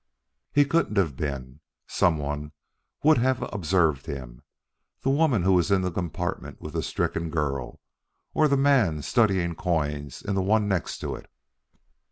"He couldn't have been. Some one would have observed him the woman who was in the compartment with the stricken girl, or the man studying coins in the one next to it."